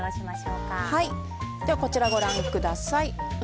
こちらご覧ください。